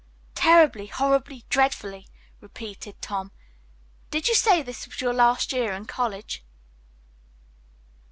"'Terribly, horribly, dreadfully!'" repeated Tom. "Did you say this was your last year in college?"